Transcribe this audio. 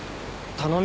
頼み？